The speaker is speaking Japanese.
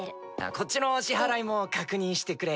こっちの支払いも確認してくれよ。